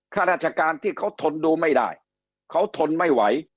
ข้าราชการที่เขาทนดูไม่ได้เขาทนไม่ไหว